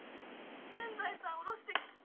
全財産おろして。